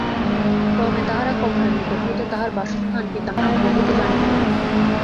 ক্রমে তাহারা কমলের নিকট হইতে তাহার বাসস্থান, পিতামাতার নাম, প্রভৃতি জানিয়া লইল।